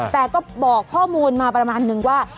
แต่ก็บอกข้อมูลมาประมาณนึงว่า